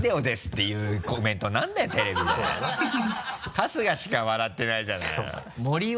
春日しか笑ってないじゃないよ。